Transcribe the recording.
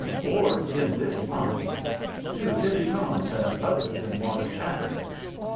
"Or in this line, "'To Debutantes and Others in want of Chaperonage.